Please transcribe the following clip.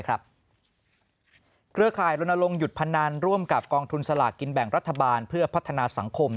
เครือข่ายลนลงหยุดพนันร่วมกับกองทุนสลากกินแบ่งรัฐบาลเพื่อพัฒนาสังคม